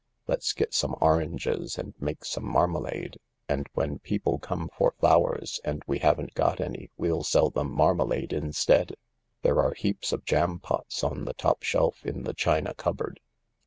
Let's get some oranges and make some marmalade, and when people come for flowers and we haven't got any we'll sell them marma lade instead. There are heaps of jampots on the top shelf in the china cupboard."